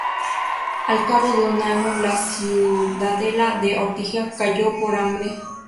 Al cabo de un año, la ciudadela de Ortigia cayó por hambre.